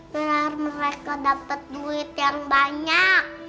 biar mereka dapat duit yang banyak